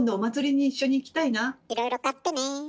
いろいろ買ってね。